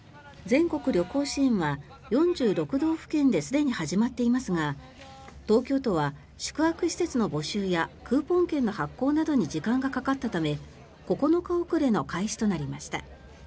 全国旅行支援は４６道府県ですでに始まっていますが東京都は宿泊施設の募集やクーポン券の発行などに時間がかかったため９日遅れの開始となりました。